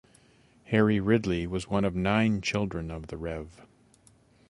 Harry Ridley was one of nine children of the Rev.